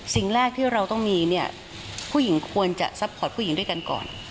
สิ่งแรกที่เราต้องมีเนี่ยผู้หญิงควรจะซัพพอร์ตผู้หญิงด้วยกันก่อน